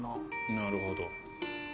なるほど。